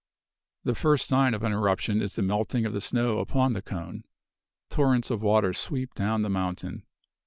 The first sign of an eruption is the melting of the snow upon the cone. Torrents of water sweep down the mountain.